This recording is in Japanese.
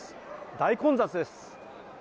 大混雑です。